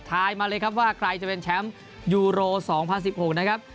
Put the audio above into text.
มาเลยครับว่าใครจะเป็นแชมป์ยูโร๒๐๑๖นะครับ